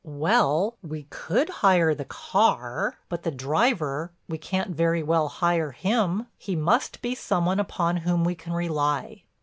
"Well, we could hire the car, but the driver—we can't very well hire him. He must be some one upon whom we can rely."